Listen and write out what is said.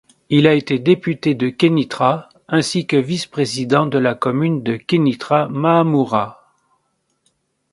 Il a été député de Kénitra ainsi que vice-président de la commune de Kénitra-Maâmoura.